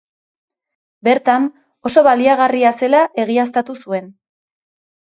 Bertan, oso baliagarria zela egiaztatu zuen.